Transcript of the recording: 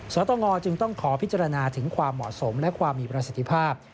สตงจึงต้องขอพิจารณาถึงความเหมาะสมและความมีประสิทธิภาพ